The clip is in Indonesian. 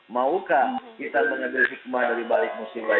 maukah kita mengambil hikmah dari balik musim baik